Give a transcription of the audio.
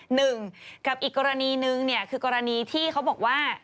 หนึ่งกับอีกกรณีนึงเนี่ยคือกรณีที่เขาบอกว่า